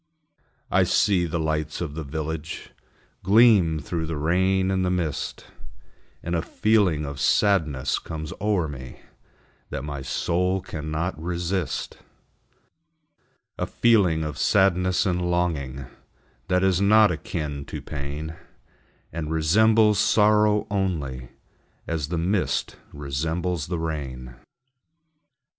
I see the lights of the village Gleam through the rain and the mist, And a feeling of sadness comes o'er me That my soul cannot resist: A feeling of sadness and longing, That is not akin to pain, And resembles sorrow only As the mist resembles the rain.